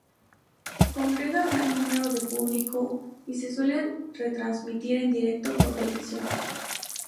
Congrega gran número de público y se suele retransmitir en directo por televisión.